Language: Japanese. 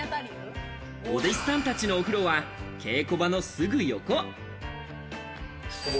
お弟子さんたちのお風呂は稽古場のすぐ横。